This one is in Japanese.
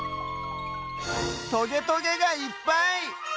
トゲトゲがいっぱい！